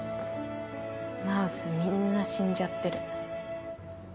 マウスみんな死んじゃってる。